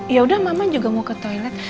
yaudah mama juga mau ke toilet